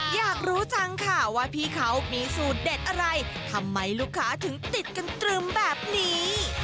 อยากรู้จังค่ะว่าพี่เขามีสูตรเด็ดอะไรทำไมลูกค้าถึงติดกันตรึมแบบนี้